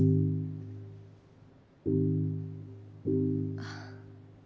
あっ。